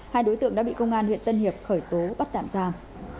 hai đối tượng đã bị công an huyện tân hiệp khởi tố bắt tạm giam